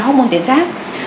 hormôn tuyến giáp